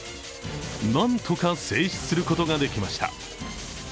何とか制止することができました。